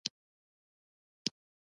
آزاد تجارت مهم دی ځکه چې اوبه ښه کوي.